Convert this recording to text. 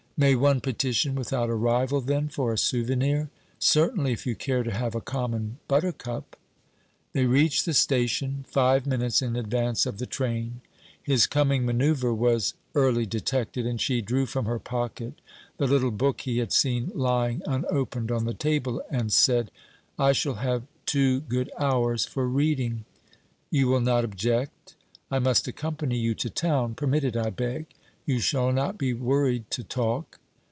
'May one petition without a rival, then, for a souvenir?' 'Certainly, if you care to have a common buttercup.' They reached the station, five minutes in advance of the train. His coming manoeuvre was early detected, and she drew from her pocket the little book he had seen lying unopened on the table, and said: 'I shall have two good hours for reading.' 'You will not object?... I must accompany you to town. Permit it, I beg. You shall not be worried to talk.'